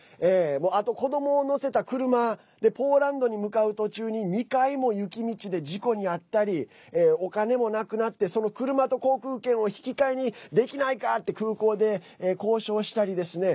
あと、子どもを乗せた車でポーランドに向かう途中に２回も雪道で事故に遭ったりお金もなくなってその車と航空券を引き換えにできないかって空港で交渉したりですね。